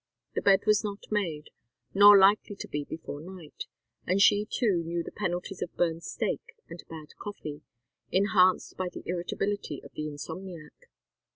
The bed was not made, nor likely to be before night, and she too knew the penalties of burned steak and bad coffee, enhanced by the irritability of the insomniac.